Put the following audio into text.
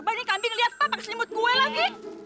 coba ini kambing liat pak pake selimut gue lagi